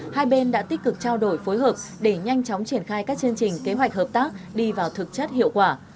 hai bên đã tích cực trao đổi phối hợp để nhanh chóng triển khai các chương trình kế hoạch hợp tác đi vào thực chất hiệu quả